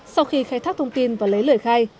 sau khi khai thác thông tin và lấy lời khai